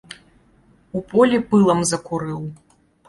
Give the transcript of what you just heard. У полі пылам закурыў.